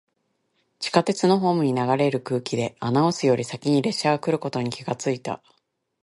地下鉄のホームに流れる空気で、アナウンスより先に列車が来ることに気がついた。